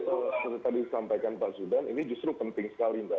itu seperti tadi disampaikan pak zudan ini justru penting sekali mbak